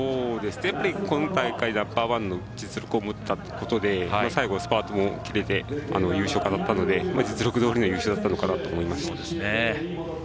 今大会ナンバーワンの実力を持っていたので最後、スパートも切れて優勝を飾ったので実力どおりの優勝だったのかなと思います。